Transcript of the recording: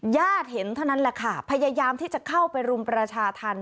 ญาติเห็นเท่านั้นแหละค่ะพยายามที่จะเข้าไปรุมประชาธรรม